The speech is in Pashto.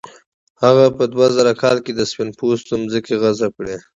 هغه په دوه زره کال کې د سپین پوستو ځمکې غصب کړې.